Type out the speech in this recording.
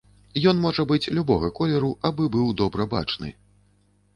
Ён можа быць любога колеру, абы быў добра бачны.